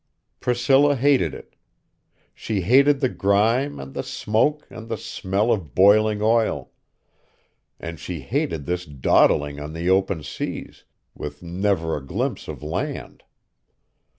Priscilla hated it. She hated the grime, and the smoke, and the smell of boiling oil; and she hated this dawdling on the open seas, with never a glimpse of land.